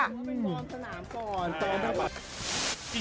มันก็เป็นบอลสนามก่อน